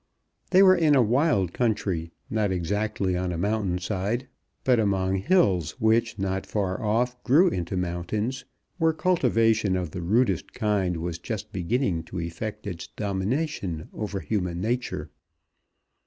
They were in a wild country, not exactly on a mountain side, but among hills which not far off grew into mountains, where cultivation of the rudest kind was just beginning to effect its domination over human nature.